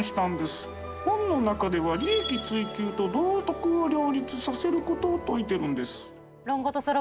本の中では利益追求と道徳を両立させる事を説いてるんです。